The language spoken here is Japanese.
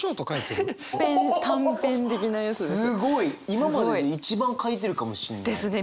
今までで一番書いてるかもしれない。ですね。